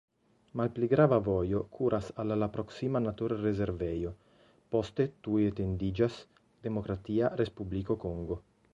Malpli grava vojo kuras al la proksima naturrezervejo, poste tuj etendiĝas Demokratia Respubliko Kongo.